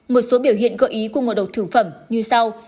một số biểu hiện gợi ý của ngộ độc thực phẩm như sau